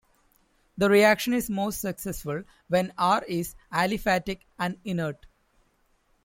The reaction is most successful when "R" is aliphatic and inert.